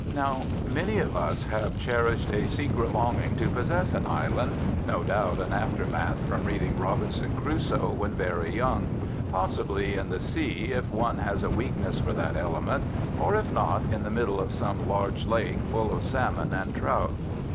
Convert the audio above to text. Now many of us have cherished a secret longing to possess an island, no doubt an aftermath from reading 'Robinson Crusoe' when very young, possibly in the sea if one has a weakness for that element, or, if not, in the middle of some large lake full of salmon and trout.